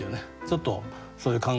ちょっとそういう感慨